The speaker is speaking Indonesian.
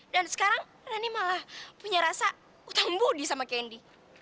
sekarang rani malah punya rasa utang budi sama kendi